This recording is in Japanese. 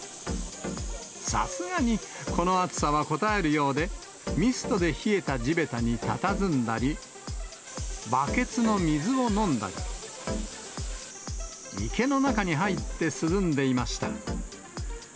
さすがに、この暑さはこたえるようで、ミストで冷えた地べたにたたずんだり、バケツの水を飲んだり、池の中に入って涼んでいました。